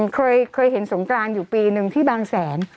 เคยเห็นสงกรานอยู่ปีหนึ่งที่บางแสน